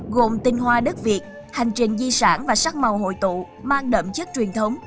gồm tinh hoa đất việt hành trình di sản và sắc màu hội tụ mang đậm chất truyền thống